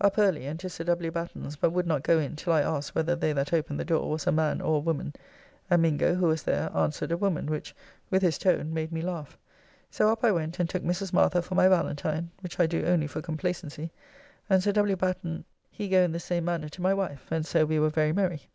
Up early and to Sir W. Batten's, but would not go in till I asked whether they that opened the door was a man or a woman, and Mingo, who was there, answered a woman, which, with his tone, made me laugh; so up I went and took Mrs. Martha for my Valentine (which I do only for complacency), and Sir W. Batten he go in the same manner to my wife, and so we were very merry.